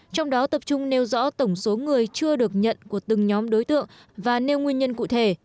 trong đó tập trung nêu rõ tổng số người chưa được nhận của từng nhóm đối tượng và nêu nguyên nhân cụ thể